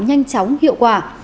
nhanh chóng hiệu quả